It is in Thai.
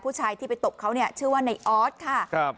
ผู้ชายที่ไปตบเขาชื่อว่าไนออสค่ะ